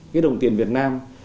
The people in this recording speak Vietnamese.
cái đồng tiền việt nam